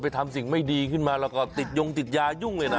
ทำสิ่งไม่ดีขึ้นมาแล้วก็ติดยงติดยายุ่งเลยนะ